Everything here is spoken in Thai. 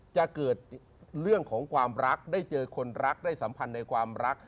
จะเกิดเรื่องของความรักได้เจอคนรักได้สัมพันธ์ในความรัก